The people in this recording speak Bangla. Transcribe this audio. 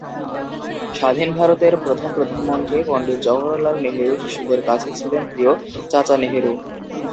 স্বাধীন ভারতের প্রথম প্রধানমন্ত্রী পণ্ডিত জওহরলাল নেহরু শিশুদের কাছে ছিলেন প্রিয় "চাচা নেহেরু"।